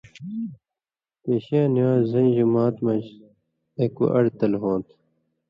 پِینشِیں نِوانز زَئیں جُمات منز اکُو اَئیڑ تل ہُونت۔